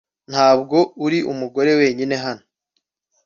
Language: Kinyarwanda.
Ntabwo uri umugore wenyine hano